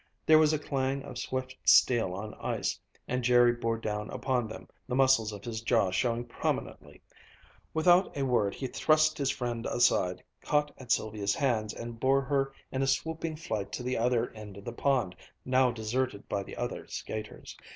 There was a clang of swift steel on ice, and Jerry bore down upon them, the muscles of his jaw showing prominently. Without a word he thrust his friend aside, caught at Sylvia's hands, and bore her in a swooping flight to the other end of the pond, now deserted by the other skaters.